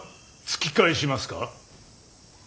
突き返しますか。